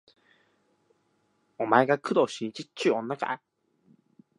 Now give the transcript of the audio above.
お前が工藤新一っちゅう女か